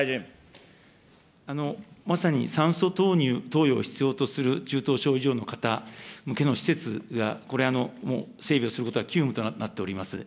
まさに酸素投入、投与を必要とする中等症以上の方向けの施設がこれ、整備をすることは急務となっております。